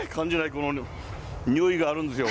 このにおいがあるんですよ。